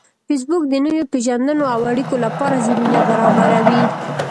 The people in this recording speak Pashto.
فېسبوک د نویو پیژندنو او اړیکو لپاره زمینه برابروي